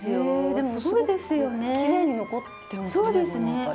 でもすごくきれいに残ってますねこの辺り。